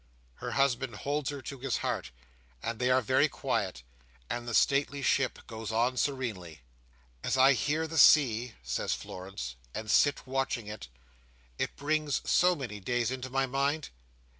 Her husband holds her to his heart, and they are very quiet, and the stately ship goes on serenely. "As I hear the sea," says Florence, "and sit watching it, it brings so many days into my mind.